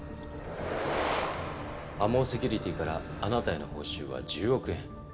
ＡＭＯセキュリティーからあなたへの報酬は１０億円。